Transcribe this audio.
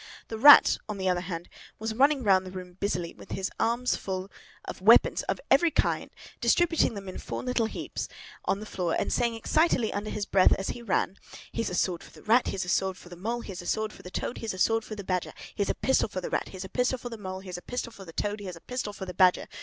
The Rat, on the other hand, was running round the room busily, with his arms full of weapons of every kind, distributing them in four little heaps on the floor, and saying excitedly under his breath, as he ran, "Here's a sword for the Rat, here's a sword for the Mole, here's a sword for the Toad, here's a sword for the Badger! Here's a pistol for the Rat, here's a pistol for the Mole, here's a pistol for the Toad, here's a pistol for the Badger!"